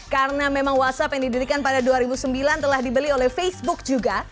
karena memang whatsapp yang didirikan pada dua ribu sembilan telah dibeli oleh facebook juga